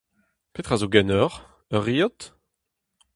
Petra zo ganeoc'h ? ur riot ?